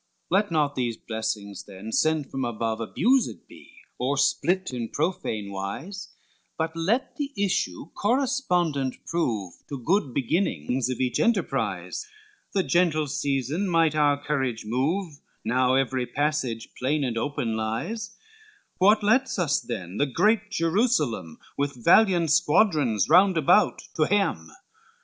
XXVII "Let not these blessings then sent from above Abused be, or split in profane wise, But let the issue correspondent prove To good beginnings of each enterprise; The gentle season might our courage move, Now every passage plain and open lies: What lets us then the great Jerusalem With valiant squadrons round about to hem?